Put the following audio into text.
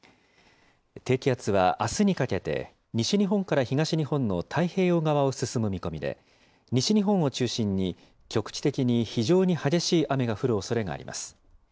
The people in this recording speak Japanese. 低気圧はあすにかけて西日本から東日本の太平洋側を進む見込みで、西日本を中心に局地的に非常に激しい雨が降るおそれがあります。